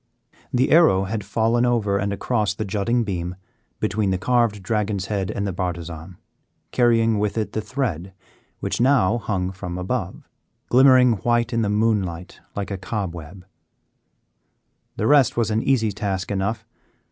The arrow had fallen over and across the jutting beam between the carved dragon's head and the bartizan, carrying with it the thread, which now hung from above, glimmering white in the moonlight like a cobweb. The rest was an easy task enough.